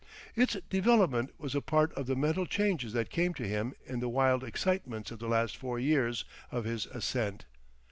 Its development was a part of the mental changes that came to him in the wild excitements of the last four years of his ascent.